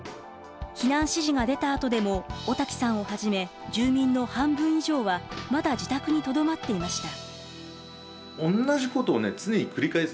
避難指示が出たあとでも小滝さんをはじめ住民の半分以上はまだ自宅にとどまっていました。